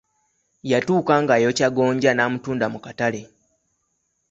Yatuuka ng’ayokya gonja n'amutunda mu katale.